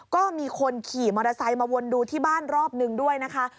ก็มีคนขี่มอเตอร์ไซค์มาวนดูที่บ้านรอบนึงด้วยนะคะ